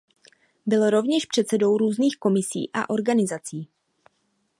Byl rovněž předsedou různých komisí a organizací.